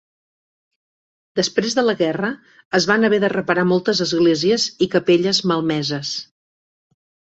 Després de la guerra, es van haver de reparar moltes esglésies i capelles malmeses.